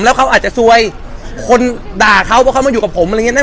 แล้วเขาอาจจะซวยคนด่าเขาเพราะเขามาอยู่กับผมอะไรอย่างเงี้นะ